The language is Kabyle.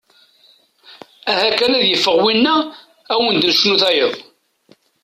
Aha kan ad yeffeɣ winna ad awen-d-necnu tayeḍ.